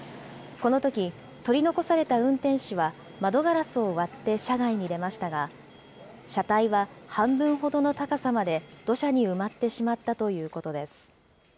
このとき、取り残された運転手は窓ガラスを割って車外に出ましたが、車体は半分ほどの高さまで土砂に埋まってしまったということです。